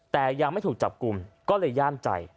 แต่ยังไม่ถูกจับกลุ่มก็เลยย่ามใจ